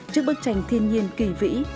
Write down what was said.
trước bức tranh thiên nhiên kỳ vĩ